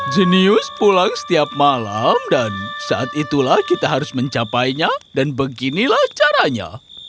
jenius pulang setiap malam dan saat itulah kita harus mencapainya dan beginilah caranya